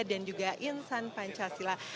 dan juga insan pancasila